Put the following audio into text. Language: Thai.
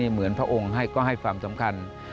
เหมือนพระองค์ให้ก็ให้ความสำคัญ